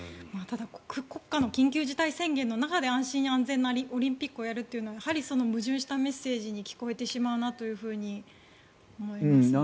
国家の緊急事態宣言の中で安心安全なオリンピックをやるというのは矛盾したメッセージに聞こえてしまうなと思いますね。